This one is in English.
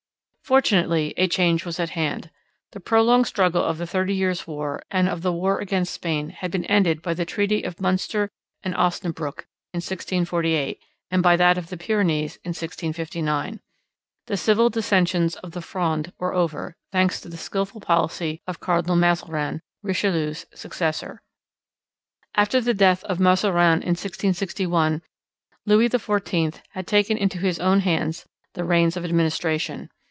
Fortunately a change was at hand. The prolonged struggle of the Thirty Years' War and of the war against Spain had been ended by the treaty of Munster and Osnabruck in 1648 and by that of the Pyrenees in 1659. The civil dissensions of the Fronde were over, thanks to the skilful policy of Cardinal Mazarin, Richelieu's successor. After the death of Mazarin in 1661, Louis XIV had taken into his own hands the reins of administration.